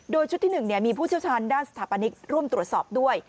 โดยชุดที่๑มีผู้เชี่ยวชาญด้านสถาปนิกร่วมตรวจสอบด้วย